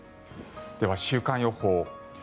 では週間予報。